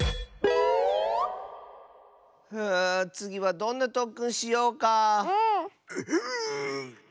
ふうつぎはどんなとっくんしようか？